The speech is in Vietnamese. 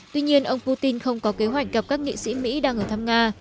tuy nhiên ông putin không có kế hoạch gặp các nghị sĩ mỹ đang ở thăm nga